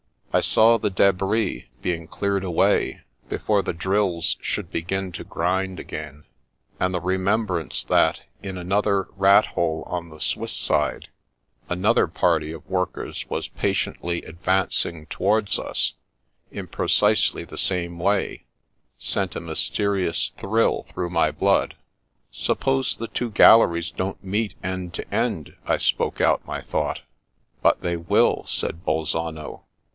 I saw the debris being cleared away, before the drills should begin to grind again; and the remembrance that, in another rat hole on the Swiss side, another party of workers was patiently advancing towards us, in precisely the same way, sent a mysterious thrill through my blood. " Suppose the two galleries don't meet end to end ?" I spoke out my thought. " But they will," said Bolzano.